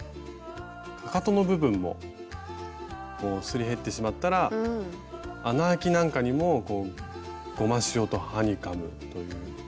かかとの部分もすり減ってしまったら穴あきなんかにもゴマシオとハニカムという。